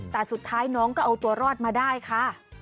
แต่สุดท้ายน้องก็เอาตัวรอดมาได้ค่ะ